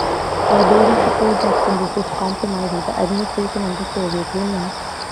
While building support, Jackson resisted compromise with the administration and the Soviet Union.